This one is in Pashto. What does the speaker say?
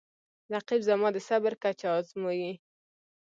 رقیب زما د صبر کچه ازموي